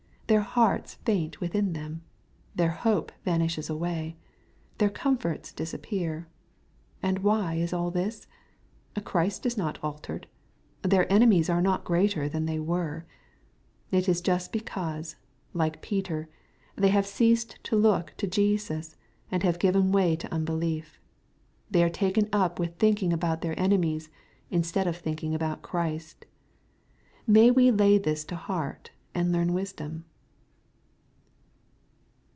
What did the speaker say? Their hearts faint within them. Their hope vanishes away. Their comforts disappear. — And why is all this ? Christ is not altered. Their enemies are not greater than they were. — It is just because, like Peter, they have ceased to look to Jesus, and have given way to unbelief. They are taken up with thinking about their enemies, instead of thinking about Christ. May we lay this to heart, and learn wisdom.